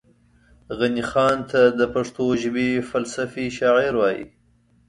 غني خان ته دا پښتو ژبې فلسفي شاعر وايي